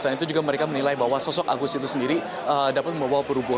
selain itu juga mereka menilai bahwa sosok agus itu sendiri dapat membawa perubahan